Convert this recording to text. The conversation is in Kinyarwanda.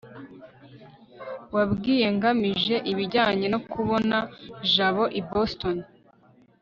wabwiye ngamije ibijyanye no kubona jabo i boston